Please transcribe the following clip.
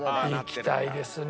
行きたいですね